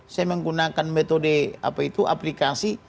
saya menggunakan metode aplikasi